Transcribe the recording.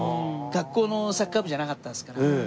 学校のサッカー部じゃなかったですから。